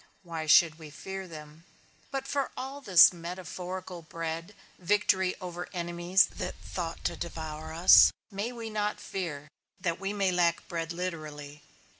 Why should we fear them? But for all this metaphorical bread, victory over enemies that thought to devour us, may we not fear, that we may lack bread literally?